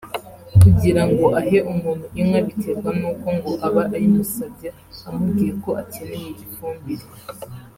Kugira ngo ahe umuntu inka biterwa n’uko ngo aba ayimusabye amubwiye ko akeneye ifumbire